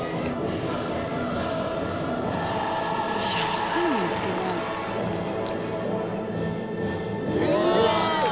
分かんないってば。うわ！